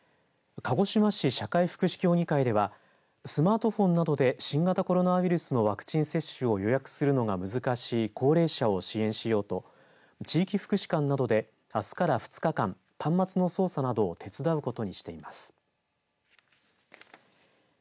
鹿児島市社会福祉協議会ではスマートフォンなどで新型コロナウイルスのワクチン接種を予約するのが難しい高齢者を支援しようと、地域福祉館などであすから２日間端末の操作などを手伝うことにしています。